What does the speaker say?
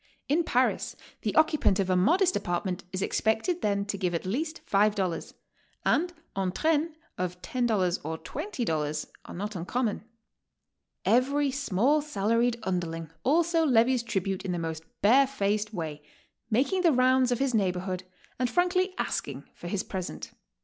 In Paris the occupant of a modest apartment is expected then to give at least $5, and "en trennes" of $10 or $20 are not uncommon. Every small salaried underling also levies tribute in the most barefaced way, making the rounds of his neighborhood and frankly asking for his present.